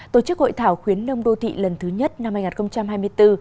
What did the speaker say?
tổ chức hội thảo khuyến nông đô thị lần thứ nhất năm hai nghìn hai mươi bốn